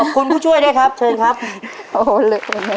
กัล